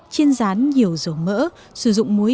chiên rán nhiều dầu mỡ